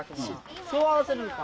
そう合わせるんか。